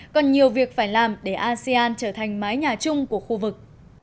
còn nhiều việc phải làm để asean trở thành mái nhà chung của khu vực